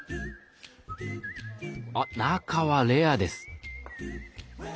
あっ中はレアです。